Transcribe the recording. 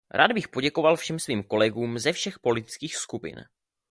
Rád bych poděkoval všem svým kolegům ze všech politických skupin.